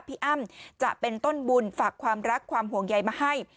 อ้ำจะเป็นต้นบุญฝากความรักความห่วงใยมาให้